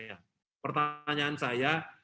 ini adalah pertanyaan saya